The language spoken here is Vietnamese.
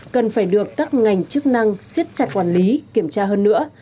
cần phải được các ngành chức năng siết chặt quản lý kiểm tra hơn nữa